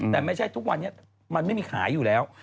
แต่ไม่ใช่ทุกวันนี้มันไม่มีขายอยู่แล้ว